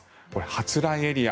発雷エリア